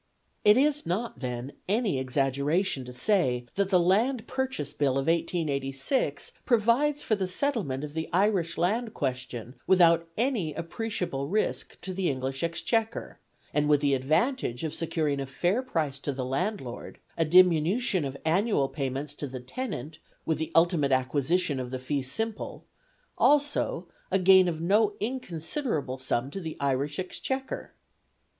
It is not, then, any exaggeration to say that the Land Purchase Bill of 1886 provides for the settlement of the Irish Land question without any appreciable risk to the English Exchequer, and with the advantage of securing a fair price for the landlord, a diminution of annual payments to the tenant with the ultimate acquisition of the fee simple, also a gain of no inconsiderable sum to the Irish Exchequer.